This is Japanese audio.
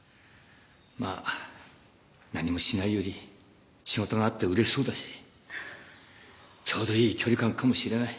まぁ何もしないより仕事があってうれしそうだしちょうどいい距離感かもしれない。